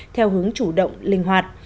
theo hướng chủ động linh hoạt